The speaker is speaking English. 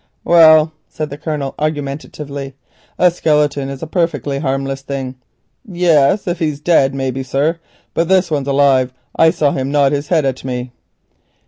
"Well," said the Colonel argumentatively, "a skeleton is a perfectly harmless thing." "Yes, if he's dead maybe, sir, but this one's alive, I saw him nod his head at me."